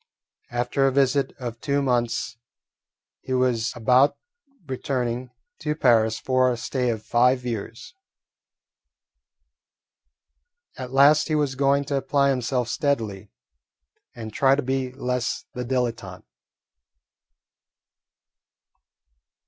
After a visit of two months he was about returning to Paris for a stay of five years. At last he was going to apply himself steadily and try to be less the dilettante.